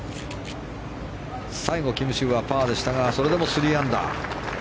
最後、キム・シウはパーでしたがそれでも３アンダー。